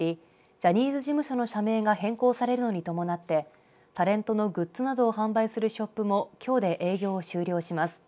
ジャニーズ事務所の社名が変更されるのに伴ってタレントのグッズなどを販売するショップもきょうで営業を終了します。